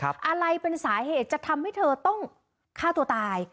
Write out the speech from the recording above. อะไรเป็นสาเหตุจะทำให้เธอต้องฆ่าตัวตาย